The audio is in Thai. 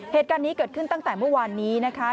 เหตุการณ์นี้เกิดขึ้นตั้งแต่เมื่อวานนี้นะคะ